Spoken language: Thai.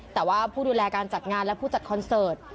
แต่ว่าผู้ดูแลการจัดงานและผู้จัดคอนเสิร์ต